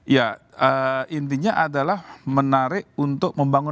ya intinya adalah menarik untuk membangun